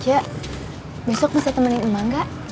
cek besok bisa temenin emang gak